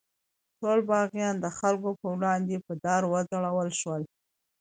ټول باغیان د خلکو په وړاندې په دار وځړول شول.